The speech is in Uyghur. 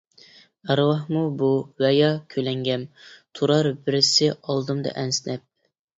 ئەرۋاھمۇ بۇ ۋە يا كۆلەڭگەم؟ تۇرار بىرسى ئالدىمدا ئەسنەپ.